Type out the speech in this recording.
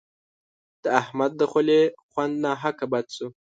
د احمد د خولې خوند ناحق بد سو.